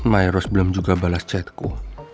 miros belum juga balas chatku